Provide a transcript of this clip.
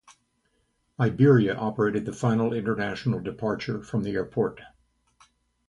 Iberia operated the final international departure from the airport.